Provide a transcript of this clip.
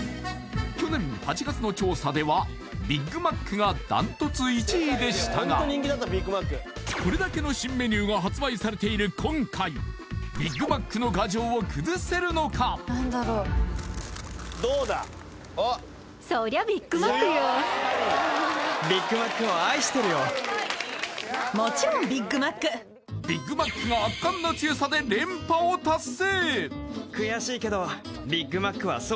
去年８月の調査ではビッグマックがダントツ１位でしたがこれだけの新メニューが発売されている今回ビッグマックの牙城を崩せるのかビッグマックが圧巻の強さで連覇を達成